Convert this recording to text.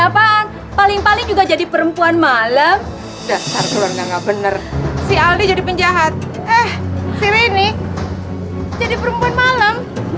bu ini jadi perempuan malam